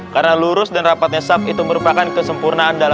karena lurus dan rapatnya saaf itu merupakan kesenangan yang penting untuk kita